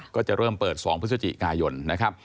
ก็จะเริ่มเปิด๒พฤศจิกายนนะครับ